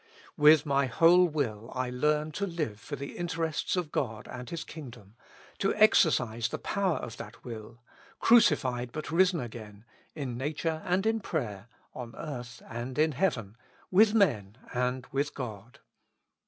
With my whole will I learn to live for the interests of God and His kingdom, to exercise the power of that will — crucified but risen again — in nature and in prayer, on earth and in heaven, with men and with God.